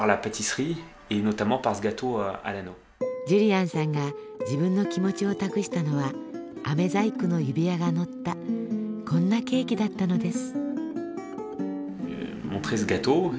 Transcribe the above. ジュリアンさんが自分の気持ちを託したのは飴細工の指輪が載ったこんなケーキだったのです。